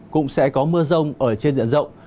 cũng sẽ có mưa rông ở trên diện rộng